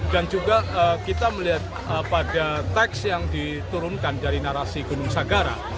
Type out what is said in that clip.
dan juga kita melihat pada teks yang diturunkan dari narasi gunung sagara